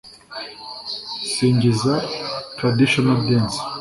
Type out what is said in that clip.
Singiza Tradition Dance